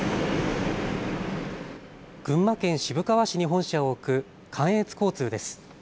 群馬県渋川市に本社を置く関越交通です。